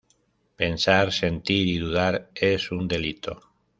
Pensar, sentir y dudar es un delito.